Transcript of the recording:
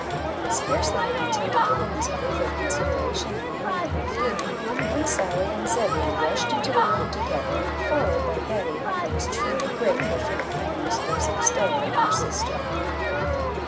Scarcely had Matilda given this proof of consideration and amiable feeling, when Sally and Zebby rushed into the room together, followed by Betty, who was truly grateful for the kindness thus bestowed on her sister.